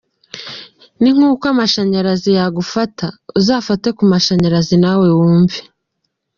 Ni nk’ uko amashanyarazi yagufata uzafate ku mashanyarazi nawe wumve.